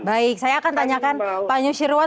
baik saya akan tanyakan pak nusirwan